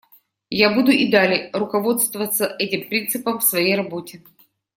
Я буду и далее руководствоваться этим принципом в своей работе.